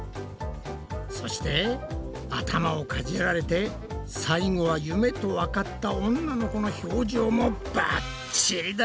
そして頭をかじられて最後は夢とわかった女の子の表情もばっちりだ。